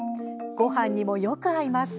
ごはんにもよく合います。